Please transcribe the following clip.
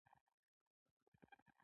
که ما در سره بدرګه نه کړ زه کافر یم.